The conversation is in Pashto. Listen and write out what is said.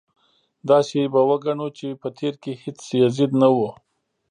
داسې به وګڼو چې په تېر کې هېڅ یزید نه و.